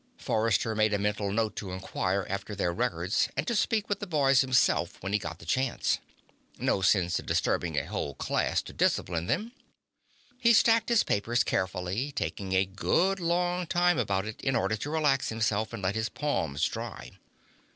Forrester made a mental note to inquire after their records and to speak with the boys himself when he got the chance. No sense in disturbing a whole class to discipline them. He stacked his papers carefully, taking a good long time about it in order to relax himself and let his palms dry.